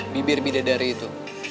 bibir bidadari itu